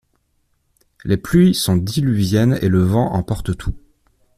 Les pluies sont diluviennes et le vent emporte tout.